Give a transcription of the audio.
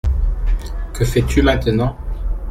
Que fais-tu Maintenant ?